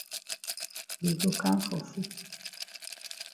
We go kam for foot.